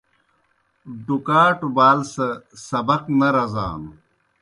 ڈُکاٹوْ بال سہ سبق نہ رزانوْ۔